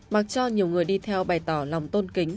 mặc cho nhiều người đi theo bày tỏ lòng tôn kính